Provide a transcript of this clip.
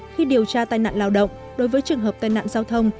khi điều tra tai nạn lao động đối với trường hợp tai nạn giao thông